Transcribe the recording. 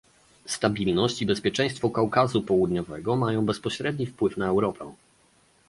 Stabilność i bezpieczeństwo Kaukazu Południowego mają bezpośredni wpływ na Europę